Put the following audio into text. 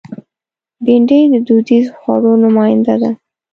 بېنډۍ د دودیزو خوړو نماینده ده